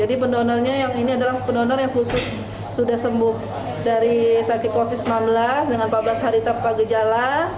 jadi pendonornya yang ini adalah pendonor yang khusus sudah sembuh dari sakit covid sembilan belas dengan empat belas hari tanpa gejala